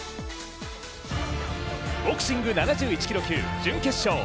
ボクシング７１キロ級準決勝。